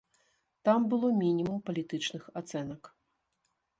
Там было мінімум палітычных ацэнак.